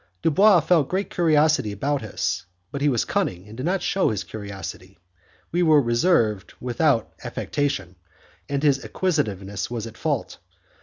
Dubois felt great curiosity about us, but he was cunning and did not shew his curiosity; we were reserved without affectation, and his inquisitiveness was at fault.